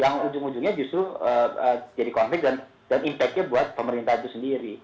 yang ujung ujungnya justru jadi konflik dan impact nya buat pemerintah itu sendiri